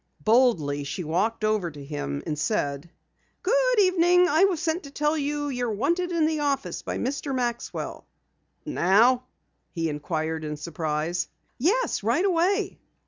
Boldly, she walked over to him and said: "Good evening. I was sent to tell you you're wanted in the office by Mr. Maxwell." "Now?" he inquired in surprise. "Yes, right away."